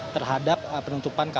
terhadap penutupan kemas kota